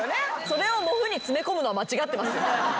それを「もふ」に詰め込むのは間違ってます。